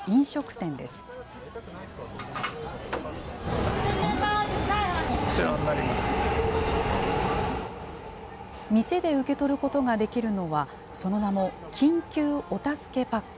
店で受け取ることができるのは、その名も緊急お助けパック。